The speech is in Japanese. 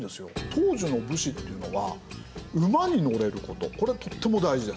当時の武士っていうのは馬に乗れることこれとっても大事です。